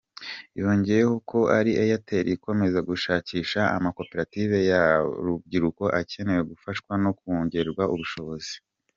Yongeyeho ko Airtel izakomeza gushakisha amakoperative y’urubyiruko akenewe gufashwa no kongererwa ubushobozi.